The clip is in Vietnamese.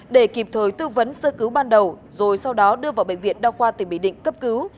để kịp thời tư vấn sơ cứu ban đầu rồi sau đó đưa vào bệnh viện đa khoa tỉnh bình định cấp cứu